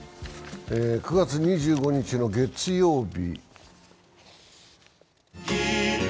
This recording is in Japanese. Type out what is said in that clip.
９月２５日の月曜日。